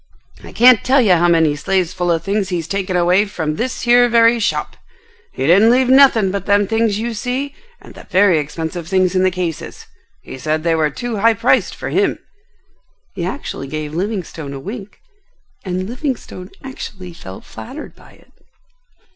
I can't tell you how many sleighs full of things he's taken away from this here very shop. He didn't leave nothing but them things you see and the very expensive things in the cases. He said they were too high priced for him." He actually gave Livingstone a wink, and Livingstone actually felt flattered by it.